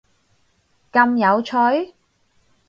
咁有趣？！